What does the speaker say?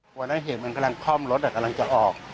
ประมาณนั้นเห็นมันกำลังข้อมรถอ่ะกำลังจะออก